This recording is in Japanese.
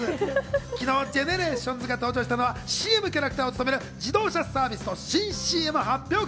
昨日、ＧＥＮＥＲＡＴＩＯＮＳが登場したのは、ＣＭキャラクターを務める自動車サービスの新ＣＭ発表会。